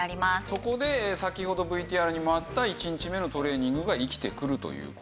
そこで先ほどＶＴＲにもあった１日目のトレーニングが生きてくるという事なんですね。